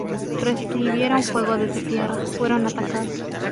Recibieron fuego desde tierra, fueron atacados".